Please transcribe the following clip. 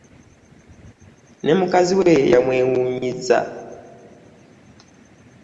Ne mukazi we yamwewuunyizza.